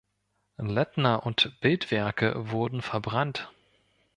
Lettner und Bildwerke wurden verbrannt.